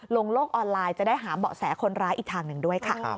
โลกออนไลน์จะได้หาเบาะแสคนร้ายอีกทางหนึ่งด้วยค่ะ